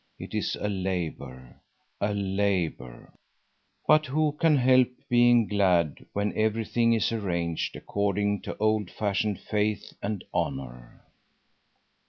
It is a labor, a labor. But who can help being glad when everything is arranged according to old fashioned faith and honor.